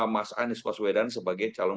mas anies baswedan sebagai calon